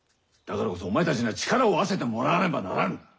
だからこそお前たちには力を合わせてもらわねばならぬ。